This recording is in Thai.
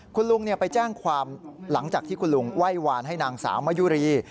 คุณลุงไปแจ้งความหลังจากที่คุณลุงไหว้วานให้นางสาวมะยุรี